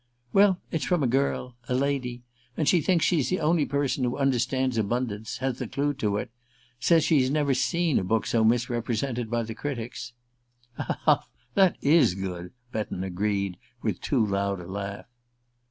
"Well, it's from a girl a lady and she thinks she's the only person who understands 'Abundance' has the clue to it. Says she's never seen a book so misrepresented by the critics " "Ha, ha! That is good!" Betton agreed with too loud a laugh.